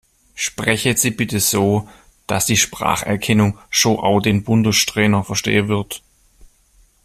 Sprechen Sie bitte so, dass die Spracherkennung schon auch den Bundestrainer verstehen wird.